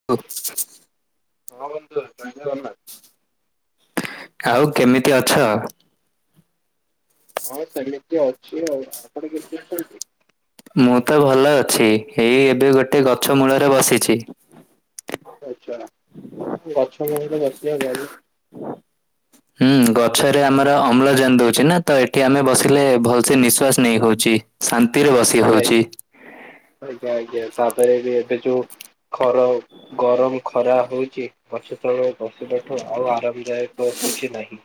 [unintelligible] ହଁ ବନ୍ଧୁ ଜୟ ଜଗନ୍ନାଥ। ଆଉ କେମିତି ଅଛ? ହଁ ସେମିତି ଅଛି ଆଉ ଆପଣ କେମିତି ଅଛନ୍ତି? ମୁଁ ତ ଭଲ ଅଛି ଏଇ ଏବେ ଗୋଟେ ଗଛ ମୂଳରେ ବସିଛି। ଆଚ୍ଛା ଗଛମୂଳରେ ବସିବା ଭଲ। ହୁଁ ଗଛରେ ଆମର ଅମ୍ଳଜାନ ଦଉଛି ନା ତ ଏଠି ଆମେ ବସିଲେ ଭଲସେ ନିଶ୍ୱାସ ନେଇ ହଉଚି। ଶାନ୍ତିରେ ବସି ହଉଛି। ଆଜ୍ଞା ଆଜ୍ଞା ତାପରେ ବି ଏବେ ଯୋଉ ଖର ଗରମ ଖରା ହଉଛି ଗଛ ତଳେ ବଶିବାଠୁ ଆଉ ଆରାମଦାୟକ କିଛି ନାହିଁ।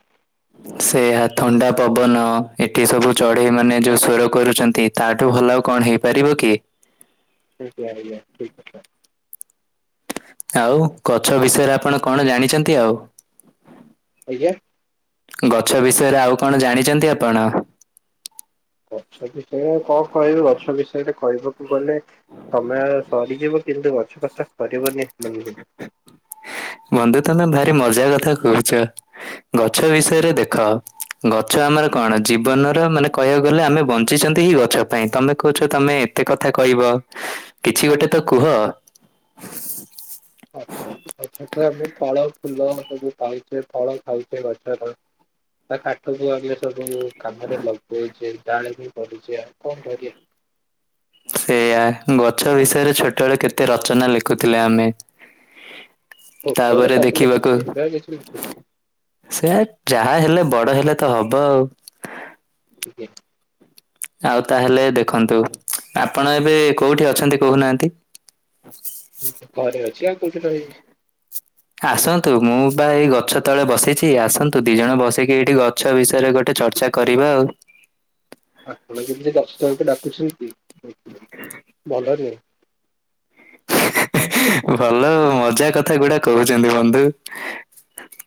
ସେ ଏହା ଥଣ୍ଡା ପବନ ଏଠି ସବୁ ଚଢେଇ ମାନେ ଯୋଉ ସ୍ୱର କରୁଛନ୍ତି। ତାଠୁ ଭଲ ଆଉ କଣ ହେଇପାରିବ କି। ଆଜ୍ଞା ଆଜ୍ଞା ଠିକ୍ କଥା। ଆଉ ଗଛ ବିଷୟରେ ଆପଣ କଣ ଜାଣିଛନ୍ତି ଆଉ? ଆଜ୍ଞା। ଗଛ ବିଷୟରେ ଆଉ କଣ ଜାଣିଛନ୍ତି ଆପଣ? ଗଛ ବିଷୟରେ କଣ କହିବି ଗଛ ବିଷୟରେ କହିବାକୁ ଗଲେ ସମୟ ସରିଯିବ କିନ୍ତୁ ଗଛ କଥା ସରିବନି ବନ୍ଧୁ। ବନ୍ଧୁ ତମେ ଭାରି ମଜା କଥା କହୁଛ। ଗଛ ବିଷୟରେ ଦେଖ ଗଛ ଆମର କଣ ଜୀବନର ମାନେ କହିବାକୁ ଗଲେ ଆମେ ବଞ୍ଚିଛନ୍ତି ହି ଗଛ ଛ ପାଇଁ ତମେ କହୁଛ ତମେ ଏତେ କଥା କହିବ କିଛି ଗୋଟେ ତ କୁହ। ଆଛା ଗଛଠୁ ଆମେ ଫଳ ଫୁଲ ସବୁ ପାଉଛେ ଫଳ ଖାଉଛେ ଗଛର ତା କାଠକୁ ଆମେ ସବୁ କାମରେ ଲଗଉଛେ ଜାଳେ ହିଁ ପଡୁଛେ ଆଉ କଣ କରିବା। ସେଇୟା ଗଛ ବିଷୟରେ ଛୋଟବେଳେ କେତେ ରଚନା ଲେଖୁଥିଲେ ଆମେ। ଛୋଟବେଳେ ତାପରେ ସବୁ ଲେଖୁଥିଲେ ଏବେ ଆଉ କିଛି ଲେଖୁନେ। ସେଆ ଯାହା ହେଲେ ବଡ଼ ହେଲେ ତ ହବ ଆଉ। ଆଜ୍ଞା। ଆଉ ତାହେଲେ ଦେଖନ୍ତୁ ଆପଣ ଏବେ କୋଉଠି ଅଛନ୍ତି କହୁନାହାନ୍ତି? [unintelligible] ଘରେ ଅଛି, ଆଉ କୋଉଠି ରହିବି? ଆସନ୍ତୁ, ମୁଁ ପା ଏଇ ଗଛ ତଳେ ବସିଚି, ଆସନ୍ତୁ ଦି ଜଣ ବସିକି ଏଇଠି ଗଛ ବିଷୟରେ ଗୋଟେ ଚର୍ଚ୍ଚା କରିବା ଆଉ। ଆପଣ କେମିତି ଗଛ ତଳକୁ ଡାକୁଚନ୍ତି, ଭଲରେ ଭଲ ମଜା କଥା ଗୁଡା କହୁଚନ୍ତି ବନ୍ଧୁ।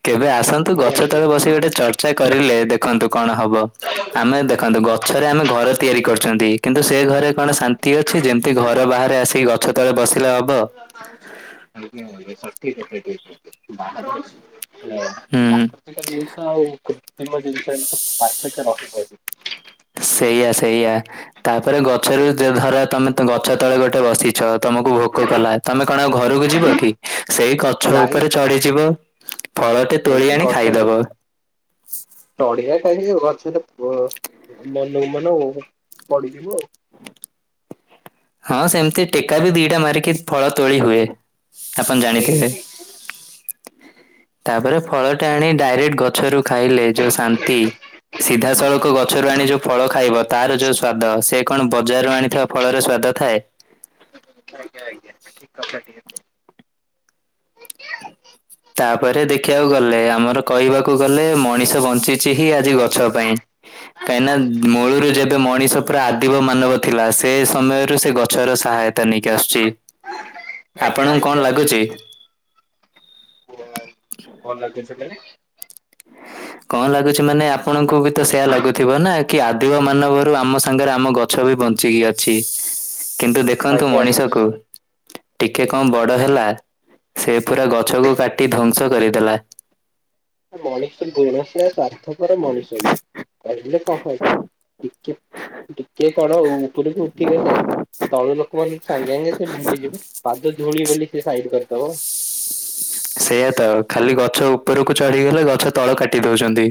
କେବେ ଆସନ୍ତୁ ଆଜ୍ଞା ଗଛ ଆଜ୍ଞା। ତଳେ ବସିକି ଗୋଟେ ଚର୍ଚ୍ଚା କରିଲେ, ଦେଖନ୍ତୁ କଣ ହବ? ଆମେ ଦେଖନ୍ତୁ ଗଛରେ ଆମେ ଘର ତିଆରି କରୁଚନ୍ତି କିନ୍ତୁ ସେ ଘରେ କଣ ଶାନ୍ତି ଅ ଅଛି, ଯେମିତି ଘର ବାହାରେ ଆସିକି ଗଛ ତଳେ ବସିଲେ ହବ? [unintelligible] ହଁ, ପ୍ରାକୃତିକ ଜିନିଷ ଆଉ କୃତ୍ରିମ ହୁଁ ଜିନିଷ ଏମିତି ତ ପାର୍ଥକ୍ୟ ରହିବ ହିଁ। ସେଇଆ ସେଇଆ, ତାପରେ ଗଛରୁ ଯ ଧର ତମେ ଗଛ ତଳେ ଗୋଟେ ବସି ଚ, ତମକୁ ଭୋକ କଲା, ତମେ କଣ ଆଉ ଘରକୁ ଯିବ କି? ସେଇ ଗଛ ନାଇଁ ଉପରେ ଚଢିଯିବ ଫଳଟେ ତୋଳି ଆଣି ଗଛ ଓପରେ, ଖାଇଦବ ଚଢିବା କାହିଁକି, ଆ ଗଛରେ ପ୍ ମନକୁ ମନକୁ ପଡିଯିବୁ ଆଉ। ହଁ ସେମିତି ଟେକା ବି ଦିଟା ମାରିକି ଫଳ ତୋଳି ହୁଏ, ଆପଣ ଆଜ୍ଞା ଜାଣିଥିବେ? ଆଜ୍ଞା ତାପରେ ଫଳ ଟା ଆଣି ଡାଇରେକ୍ଟ ଗଛରୁ ଖାଇଲେ, ଯୋଉ ଶାନ୍ତି ସିଧାସଳଖ ଗଛରୁ ଆଣି ଯୋଉ ଫଳ ଖାଇବ ତାର ଯୋଉ ସ୍ଵାଦ, ସେ କଣ ବଜାରରୁ ଆଣିଥିବା ଫଳର ସ୍ୱାଦ ଥାଏ। ଆଜ୍ଞା ଆଜ୍ଞା, ଠିକ୍ କଥାଟିଏ କ ତାପରେ ଦେଖିବାକୁ ଗଲେ, ଆମର କହିବାକୁ ଗଲେ, ମଣିଷ ବଞ୍ଚିଛି ହିଁ ଆଜି ଗଛ ପାଇଁ। କାହିଁକିନା ମୂଳରୁ ଯେବେ ମଣିଷ ପୁରା ଆଦିବ ମାନବ ଥିଲା, ସେ ସମୟରୁ ସେ ଗଛର ସାହା ନେଇକି ଆସୁଚି, ଆଜ୍ଞା ଆପଣଙ୍କୁ ଆଜ୍ଞା କଣ ଲାଗୁଚି? [unintelligible] [unintelligible] କଣ ଲାଗୁଛି ମାନେ ଆପଣଙ୍କୁ ବି ତ ସେୟା ଲାଗୁଥିବ ନା, କି ଆଦିବ ମାନବରୁ ଆମ ସାଙ୍ଗରେ ଆମ ଗ ଗଛ ବି ବଞ୍ଚିକି ଅଛି କିନ୍ତୁ ଦେଖନ୍ତୁ ଆଜ୍ଞା ଆଜ୍ଞା ମଣିଷକୁ ଟିକେ କଣ ବଡ଼ ହେଲା, ସେ ପୁରା ଗଛକୁ କାଟି ଧ୍ଵଂସ କରିଦେଲା। ମଣିଷ ଗୁଣ ସେଇଆ ସ୍ଵାର୍ଥପର ମଣିଷ ଇଏ, କହିଲେ କଣ କହିବ? ଟିକେ, ଟିକେ କଣ ଉପରକୁ ଉଠିଗଲେ ତଳୁ ଲୋକମାନଙ୍କୁ ସାଙ୍ଗେ ସାଙ୍ଗେ ସେ ଭୁଲିଯିବ, ପାଦ ଧୂଳି ବୋଲି ସେ ସାଇଡ୍ କରିଦବ। ସେଇୟା ତ, ଖାଲି ଗଛ ଉପରକୁ ଚଢିଗଲେ ଗଛ ତଳ କାଟି ଦଉଚନ୍ତି।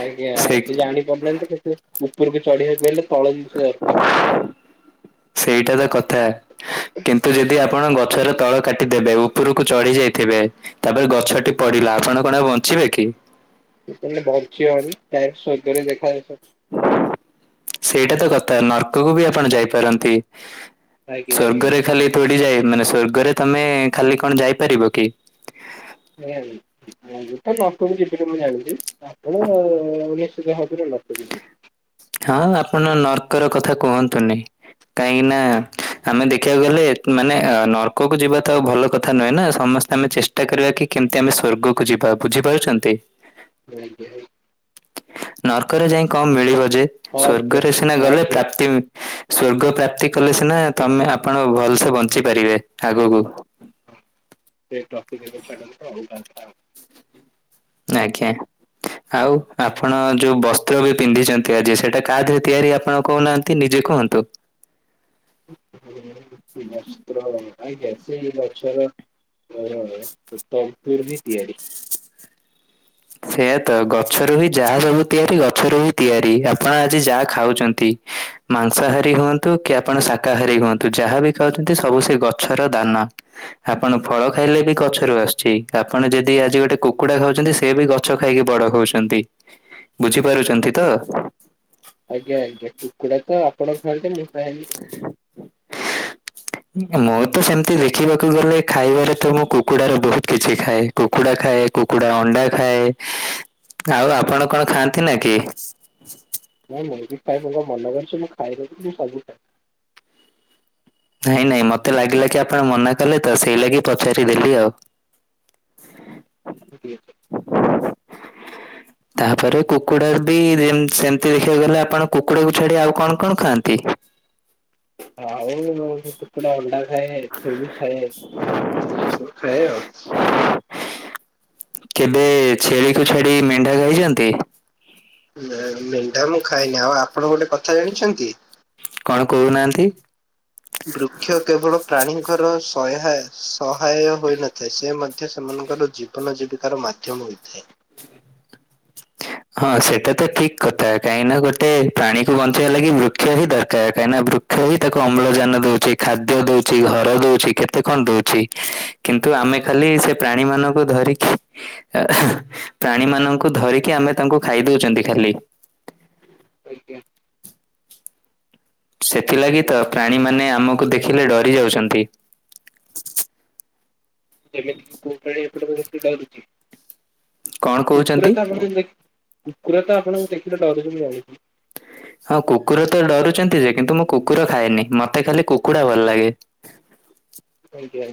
ଆଜ୍ଞା, ସେ ଜାଣି ପାରୁନାହାନ୍ତି କିନ୍ତୁ ଉପରକୁ ଚଢିବାକୁ ହେଲେ ତଳ ଜିନିଷ ଦରକାର୍। ସେଇଟା ତ କଥା। କିନ୍ତୁ ଯଦି ଆପଣ ଗଛର ତଳ କାଟିଦେବେ, ଉପରକୁ ଚଢି ଯାଇଥିବେ ତାପରେ ଗଛଟି ପଡିଲା, ଆପଣ କଣ ଆଉ ବଞ୍ଚିବେ କି? [unintelligible] ସେଇଟା ତ କଥା, ନର୍କକୁ ବି ଆପଣ ଯାଇପାରନ୍ତି। ଆଜ୍ଞା ଆଜ୍ଞା ସ୍ଵର୍ଗରେ ଖାଲି ଥୋଡି ଯାଏ, ମାନେ ସ୍ଵର୍ଗରେ ତମେ ଖାଲି କଣ ଯାଇପାରିବ କି? ନାଇଁ। ମୁଁ ବି ତ ନର୍କକୁ ଯିବିନି ମୁଁ ଜାଣିଚି, ଆପଣ ନିଶ୍ଚିିତ ଭାବରେ ନର୍କକୁ ଯିବେ। ହଁ, ଆପଣ ନର୍କର କଥା କୁହନ୍ତୁନି? କାହିଁକି ନା, ଆମେ ଦେଖିବାକୁ ଗଲେ, ମାନେ ନର୍କକୁ ଯିବା ତ ଭଲ କଥା ନୁହେଁ ନା, ସମସ୍ ଆମେ ଚେଷ୍ଟା କରିବା କି, କେମିତି ଆମେ ସ୍ଵର୍ଗକୁ ଯିବା, ବୁଝିପାରୁଚନ୍ତି? ଆଜ୍ଞା। ନର୍କରେ ଯାଇ କଣ ମିଳିବ ଯେ? ସ୍ଵର୍ଗରେ ସିନା ଗଲେ ପ୍ରାପ୍ତି ସ୍ଵର୍ଗ ପ୍ରାପ୍ତି କଲେ ସିନା ତମେ ଆପଣ ଭଲସେ ବଞ୍ଚି ପାରିବେ ଆଗକୁ। ଏଇ ଟପିକ ଏବେ ଛାଡନ୍ତୁ ଅଲଗା କଥା ହେବା। ଆଜ୍ଞା। ଆଉ ଆପଣ ଯୋଉ ବସ୍ତ୍ର ବି ପିନ୍ଧିଛନ୍ତି ଆଜି ସେଇଟା କାହା ଦେହରେ ତିଆରି ଆପଣ କହୁନାହାନ୍ତି। ନିଜେ କୁହନ୍ତୁ। ବସ୍ତ୍ର ସେଇ ଗଛର [unintelligible] ମୋର ତନ୍ତୁରେ ତିଆରି। ସେଇୟା ତ ଗଛରୁ ହି ଯାହା ସବୁ ତିଆରି ଗଛରୁ ହିଁ ତିଆରି ଆପଣ ଆଜି ଯାହା ଖାଉଛନ୍ତି। ମାଂସହାରୀ ହୁଅନ୍ତୁ କି ଆପଣ ଶାକାହାରୀ ହୁଅନ୍ତୁ ଯାହାବି ଖାଉଛନ୍ତି ସବୁ ସେଇ ଗଛର ଦାନ। ଆପଣ ଫଳ ଖାଇଲେ ବି ଗଛରୁ ଆସୁଛି ଆପଣ ଯଦି ଆଜି ଗୋଟେ କୁକୁଡା ଖାଉଛନ୍ତି ସେ ସେ ବି ଗଛ ଖାଇକି ବଡ ହଉଛନ୍ତି ବୁଝିପାରୁଛନ୍ତି ତ? ଆଜ୍ଞା ଆଜ୍ଞା କୁକୁଡା ତ ଆପଣ ଖାଆନ୍ତି ମୁଁ ଖାଏନି। [inaudible] ମୁଁ ତ ସେମତି ଦେଖିବାକୁ ଗଲେ ଖାଇବାରେ ତ ମୁଁ କୁକୁଡ଼ା ର ବହୁତ କିଛି ଖାଏ। କୁକୁଡା ଖାଏ କୁକୁଡା ଅଣ୍ଡା ଖାଏ ଆଉ ଆପଣ କଣ ଖାଆନ୍ତି ନା କି? ମୁଁ ମୁଁ ବି ଖାଏ ମୁଁ କଣ ମନା କରୁଚି ମୁଁ ଖାଏ ବୋଲି ମୁଁ ସବୁ ଖାଏ। ନାଇଁ ନାଇଁ ମତେ ଲାଗିଲା କି? ଆପଣ ମନା କଲେ ତ ସେଇ ଲାଗି ପଚାରିଦେଲି ଆଉ। [inaudible] ଜିକ ଅାର୍ [inaudible] ହ [inaudible] ତାପରେ କୁକୁଡା ବି ସେମିତି ଦେଖିବାକୁ ଗଲେ ଆପଣ କୁକୁଡାକୁ ଛାଡି ଆଉ କଣ କଣ ଖାଆନ୍ତି? ଆଉ କୁକୁଡ଼ା ଅଣ୍ଡା ଖାଏ ଛେଳି ଖାଏ ସବୁ ଏସବୁ ଖାଏ ଆଉ। କେବେ ଛେଳିକୁୁ ଛାଡି ମେଣ୍ଢା ଖାଇଛନ୍ତି? ନାଇଁ ମେଣ୍ଢା ମୁଁ ଖାଇନି ଆଉ ଆପଣ ଗୋଟେ କଥା ଜାଣିଛନ୍ତି? କଣ କହୁନାହାନ୍ତି? ବୃକ୍ଷ କେବଳ ପ୍ରାଣୀଙ୍କର ସହା ସହାୟ ହୋଇନଥାଏ ସେ ମଧ୍ୟ ସେମାନଙ୍କର ଜୀବ ଜୀବନ ଜୀବିକାର ମାଧ୍ୟମ ହୋଇଥାଏ। ହଁ ସେଇଟା ତ ଠିକ କଥା କାହିଁକି ନା ଗୋଟେ ପ୍ରାଣୀକୁ ବଞ୍ଚେଇବା ଲାଗି ବୃକ୍ଷ ହିଁ ଦରକାର କାହିଁକିନା ବୃକ୍ଷ କ୍ଷ ତାକୁ ଅମ୍ଳଜାନ ଦଉଚି ଖାଦ୍ୟ ଦଉଚି ଘର ଦଉଚି କେତେ କଣ ଦଉଚି। କିନ୍ତୁ ଆମେ ଖାଲି ସେ ପ୍ରାଣୀ ମାନଙ୍କୁ ଧରିକି ପ୍ରାଣୀ ମାନଙ୍କୁ ଧରିକି ଆମେ ତାଙ୍କୁ ଖାଇ ଦଉଛନ୍ତି ଖାଲି। ଆଜ୍ଞା। କଣ ସେଥିଲାଗି ତ କରିବା ଆଉ ପ୍ରାଣୀମାନେ ଆମକୁ ଦେଖିଲେ ଡରି ଯାଉଛନ୍ତି। ଯେମିତିକି। [unintelligible] ଏ ବାାରୁଛି। [unintelligible] କଣ କୁକୁର କହୁଛନ୍ତି? ତ ଆପଣ ଦେଖ କୁକୁର ତ ଆପଣଙ୍କୁ ଦେଖିଲେ ଡରଛ [unintelligible] ହଁ କୁକୁର ତ ଡରୁଛନ୍ତି ଯେ କିନ୍ତୁ ମୁଁ କୁକୁର ଖାଏନି ମତେ ଖାଲି କୁକୁଡ଼ା ଭଲ ଲାଗେ। ଆଜ୍ଞା।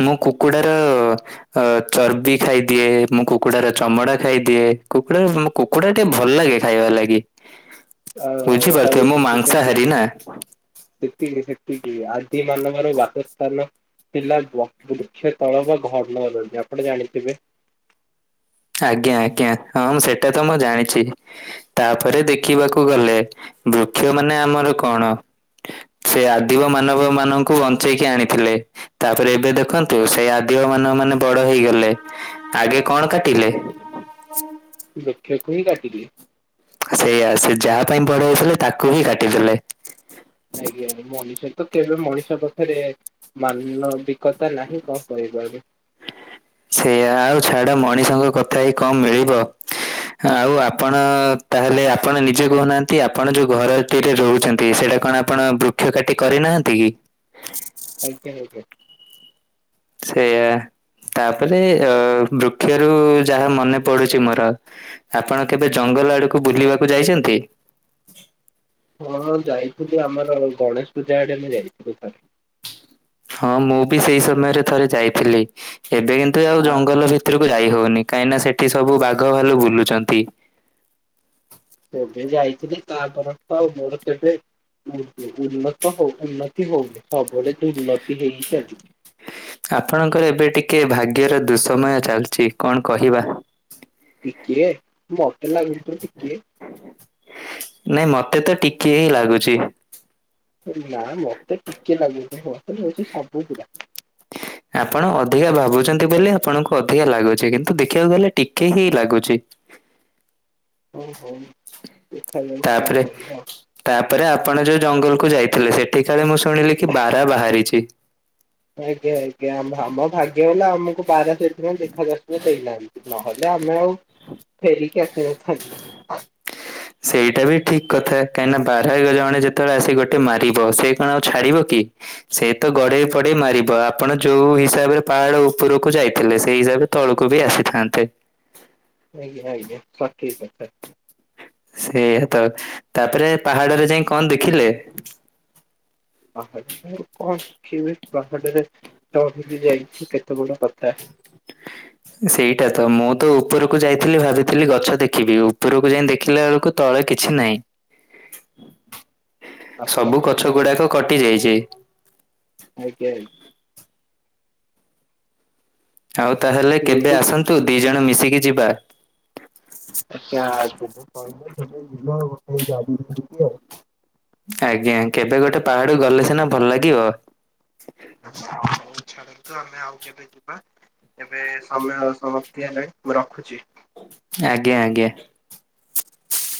ମୁଁ କୁକୁଡାର। ଅ ଚର୍ବି ଖାଇଦିଏ ମୁଁ କୁକୁଡାର ଚମଡା ଖାଇଦିଏ କୁକୁଡା ର ମୁଁ କୁକୁଡ଼ା ଟି ଭଲ ଲାଗେ ଖାଇବ ଲାଗି ଆଉ ହଉ ବୁଝିପାରୁଥିବେ ମୁଁ ସେତିକି ସେତିକି। ମାଂସହାରୀ ନା। ସେତିକି ସେତିକି ଆଦି ମାନବର ବାସସ୍ଥାନ ଥିଲା ବୃକ୍ଷ ତଳ ବା ଘର୍ଣ ଅରଣ୍ୟ ଆପଣ ଜାଣିଥିବେ। ଆଜ୍ଞା ଆଜ୍ଞା ହଁ ମୁଁ ସେଇଟା ତ ମୁଁ ଜାଣିଚି। ତାପରେ ଦେଖିବାକୁ ଗଲେ ବୃକ୍ଷ ମାନେ ଆମର କଣ? ସେ ଆଦିବ ମାନବ ମାନଙ୍କୁ ବଞ୍ଚେଇକି ଆଣିଥିଲେ। ତାପରେ ଏବେ ଦେଖନ୍ତୁ ସେଇ ଆଦିବମାନବ ମାନେ ବଡ ହେଇଗଲେ ଆଗେ କଣ କାଟିଲେ? ବୃକ୍ଷ କୁ ହିଁ କାଟିଲି। ସେଇଆ ସେ ଯାହା ପାଇଁ ବଡ ହେଥିଲେ ତାକୁ ହିଁ କାଟିଥିଲେ। ଆଜ୍ଞା ମଣିଷ ତ କେବେ ମଣିଷ ପାଖରେ ମାନ ଅଭି କଥା ନାହିଁ କଣ କରିପାରିବ। ସେଇଆ ଆଉ ଛାଡ ମଣିଷଙ୍କ କଥା ଏଇ କମ ମିଳିବ? ଆଉ ଆପଣ ତାହେଲେ ଆପଣ ନିଜେ କହୁନାହାନ୍ତି ଆପଣ ଯୋଉ ଘରରେ ରହୁଛନ୍ତି ସେଇଟା କଣ ଆ ପଣ ବୃକ୍ଷ କାଟି କରିନାହାନ୍ତି କି? ଆଜ୍ଞା ଆଜ୍ଞା। ସେଇଆ ତାପରେ ଅ ବୃକ୍ଷରୁ ଯାହା ମନେ ପଡୁଛି ମୋର। ଆପଣ କେବେ ଜଙ୍ଗଲ ଆଡକୁ ବୁଲିବାକୁ ଯାଇଛନ୍ତି? ହଁ ଯାଇଥିଲୁ ଆମର ଗଣେଶ ପୂଜା ଆଡେ ଆମେ ଯାଇଥିଲୁ। ହଁ ମୁଁ ବି ସେଇ ସମୟରେ ଥରେ ଯାଇଥିଲି ଏବେ କିନ୍ତୁ ଆଉ ତା ଜଙ୍ଗଲ ଭିତ ଭିତରକୁ ଯାଇ ହଉନି କାହିଁକିନା ସେଠି ସବୁ ବାଘ ଭାଲୁ ବୁଲୁଛନ୍ତି। କେବେ ଯାଇଥିଲି ତାପର ତ ଆଉ ମୋର କେବେ ଉ ଉନ୍ନତ ହଉ ଉନ୍ନତି ହଉନି ସବୁବେଳେ ତ ଉନ୍ନତି ହେଇଚାଲଚି। ଆପଣଙ୍କର ଏବେ ଟିକେ ଭାଗ୍ୟର ଦୁଃସମୟ ଚାଲିଛି କଣ କହିବା? ଟିକିଏ ମତେ ଲାଗୁନି ତ ଟିକିଏ। ନାଇଁ ମତେ ତ ଟିକେ ହିଁ ଲାଗୁଛି। ନା ମତେ ଟିକେ ଲାଗୁନି ମତେ ଲାଗୁଛି ସବୁ ପୁରା। [inaudible] ଆପଣ ଅଧିକା ଭାବୁଛନ୍ତି ବୋଲି ଆପଣଙ୍କୁ ଅଧିକା ଲାଗୁଛି କିନ୍ତୁ ଦେଖିବାକୁ ଗଲେ ଟିକେ ହିଁ ଲାଗୁଛି। ହଉ ହଉ। ଦେଖାଯାଉ କଣ ତାପରେ କରିବା। ତାପରେ ଆପଣ ଯୋଉ ଜଙ୍ଗଲ କୁ ଯାଇଥିଲେ ସେଠି କାଳେ ମୁଁ ଶୁଣିଲି କି ବାରା ବାହାରିଛି। ଆଜ୍ଞା ଆଜ୍ଞା ଆମ ଭାଗ୍ୟ ହେଲା ଆମକୁ ବାରା ସେଇଥିପାଇ ଦେଖା ଦର୍ଶନ ଦେଇନାହାନ୍ତି। ନହେଲେ ଆମେ ଆଉ ଫେରିକି ଆସିନଥାନ୍ତୁ। ସେଇଟା ବି ଠିକ କଥା କାହିଁକି ନା ବାରଗଜଣେ ଯେତେବେଳେ ଆସି ଗୋଟେ ମାରିବ ସେ କଣ ଆଉ ଛାଡିବ କି? ସେ ତ ଗଢେଇ ପଢେଇ ମାରିବ ଆପଣ ଯୋଉ ହିସାବରେ ପାହାଡ ଉପରକୁ ଯାଇଥିଲେ ସେଇ ହିସାବରେ ତଳକୁ ବି ଆସିଥାନ୍ତେ। ଆଜ୍ଞା ଆଜ୍ଞା ସଠିକ କଥା। ସେଇଆ ତ ତାପରେ ପାହାଡରେ ଯାଇଁ କଣ ଦେଖିଲେ? ପାହାଡ କଣ ଶଖିବି ପାହାଡରେ ଚଢିକି ଯାଇଛୁ କେତେ ବଡ କଥା। [inaudible] ସେଇଟା ତ ମୁଁ ତ ଉପରକୁ ଯାଇଥିଲି ଭାବିଥିଲି ଗଛ ଦେଖିବି ଉପରକୁ ଯାଇଁ ଦେଖିଲା ବେଳକୁ ତଳେ କିଛି ନାହିଁ। ଆପଣ ସବୁ ପୁଣି ଗଛ ଗୁଡାକ କଟି ଯାଇଛି। ଆଜ୍ଞା। ଆଉ ତାହେଲେ କେବେ ଶୁଣନ୍ତୁ ଆସନ୍ତୁ ଦି ଜଣ ମିଶିକି ଯିବା। [unintelligible] ଆଜ୍ଞା କେବେ ଗୋଟେ ପାହାଡ ଗଲେ ସିନା ଭଲ ଲାଗିବ। ଆ ଆଉ ଛାଡ଼ନ୍ତୁ ଆମେ ଆଉ କେବେ ଯିବା? ଏବେ ସମୟ ସମାପ୍ତି ହେଲାଣି ମୁଁ ରଖୁଛି। ଆଜ୍ଞା ଆଜ୍ଞା।